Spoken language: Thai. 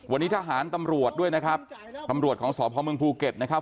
วันนี้ทหารตำรวจด้วยนะครับตำรวจของสพเมืองภูเก็ตนะครับ